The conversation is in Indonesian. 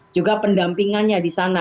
juga pendampingannya di sana